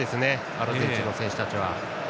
アルゼンチンの選手たちは。